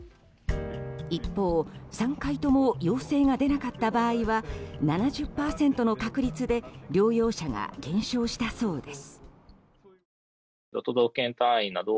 一方、３回とも陽性が出なかった場合は７０％の確率で療養者が減少したそうです。